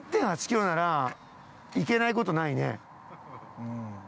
１．８キロなら行けないことないね。